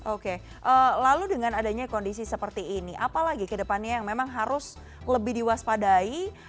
oke lalu dengan adanya kondisi seperti ini apalagi kedepannya yang memang harus lebih diwaspadai